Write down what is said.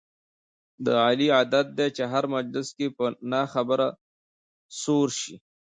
د علي عادت دی په هر مجلس کې په نه خبره سور شي.